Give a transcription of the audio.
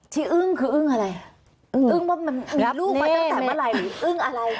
อึ้งคืออึ้งอะไรอึ้งว่ามันมีลูกมาตั้งแต่เมื่อไหร่อึ้งอะไร